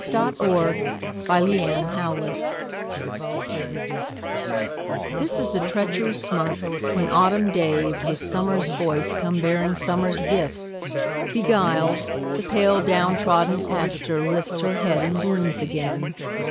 Helen Hunt Jackson November THIS is the treacherous month when autumn days With summer's voice come bearing summer's gifts. Beguiled, the pale down trodden aster lifts Her head and blooms again.